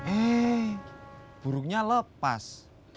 eh burungnya lepas